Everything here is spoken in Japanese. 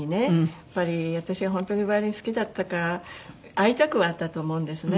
やっぱり私が本当にヴァイオリン好きだったか愛着はあったと思うんですね。